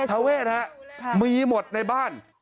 ทเวศมีหมดในบ้าน